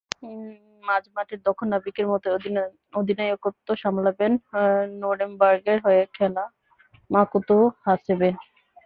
মাঝ মাঠের দক্ষ নাবিকের মতোই অধিনায়কত্ব সামলাবেন নুরেমবার্গের হয়ে খেলা মাকোতো হাসেবে।